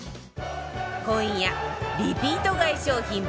今夜リピート買い商品